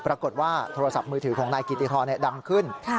ปรากฏว่าโทรศัพท์มือถือของนายกิติธรดังขึ้น